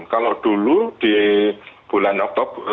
kalau dulu di bulan oktober